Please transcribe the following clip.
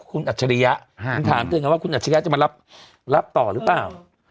คุณอัจฉริยะถามเถอะนะว่าคุณอัจฉริยะจะมารับต่อหรือเปล่า